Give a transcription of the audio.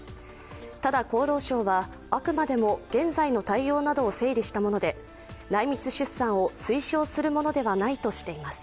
ただ、厚労省はあくまでも現在の対応などを整理したもので内密出産を推奨するものではないとしています。